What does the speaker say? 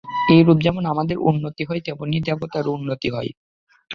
এইরূপে যেমন আমাদের উন্নতি হয়, তেমনি দেবতারও উন্নতি হয়।